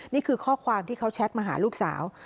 นี่คือข้อความที่เขาแชทมาหาลูกสาว